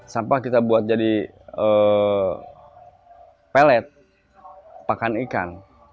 sampah kita buat jadi pelet pakan ikan